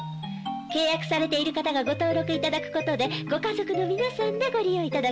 契約されている方がご登録いただくことでご家族の皆さんでご利用いただけます。